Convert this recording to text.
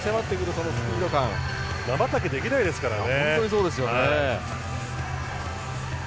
瞬きできないですからね。